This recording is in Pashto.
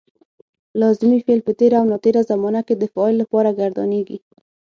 لازمي فعل په تېره او ناتېره زمانه کې د فاعل لپاره ګردانیږي.